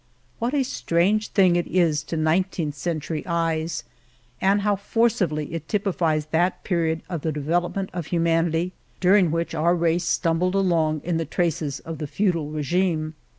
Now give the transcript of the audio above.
What a strange thing it is to nineteenth century eyes, and how forcibly it typifies that period of the development of humanity during which our race stumbled along in the traces 94 Monteil of the feudal regime.